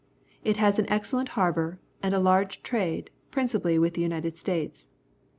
It has an excellent harbour, and a large trade, principally with the United States.